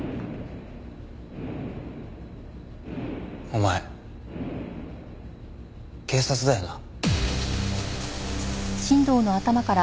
お前警察だよな。